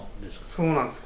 そうなんです。